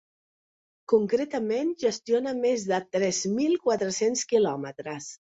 Concretament, gestiona més de tres mil quatre-cents quilòmetres.